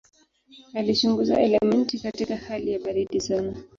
Alichunguza elementi katika hali ya baridi sana.